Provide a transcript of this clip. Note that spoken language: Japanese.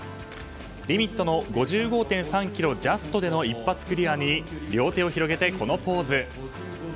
リミットの５５．３ｋｇジャストでの一発クリアに両手を広げて、このポーズ。